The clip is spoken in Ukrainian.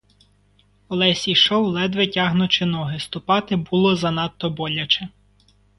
Олесь ішов, ледве тягнучи ноги: ступати було занадто боляче.